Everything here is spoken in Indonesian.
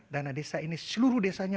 dana desa ini seluruh desanya